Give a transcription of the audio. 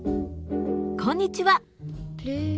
こんにちは！